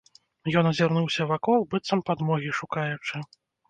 Ён азірнуўся вакол, быццам падмогі шукаючы.